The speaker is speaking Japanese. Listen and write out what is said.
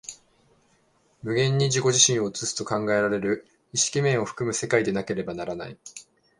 無限に自己自身を映すと考えられる意識面を含む世界でなければならない。